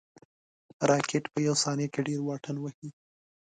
راکټ په یو ثانیه کې ډېر واټن وهي